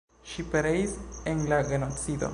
Ŝi pereis en la genocido.